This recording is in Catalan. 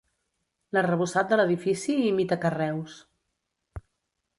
L'arrebossat de l'edifici imita carreus.